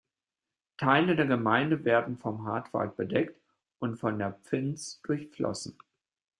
Teile der Gemeinde werden vom Hardtwald bedeckt und von der Pfinz durchflossen.